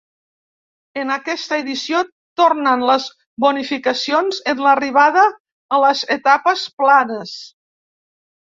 En aquesta edició tornen les bonificacions en l'arribada a les etapes planes.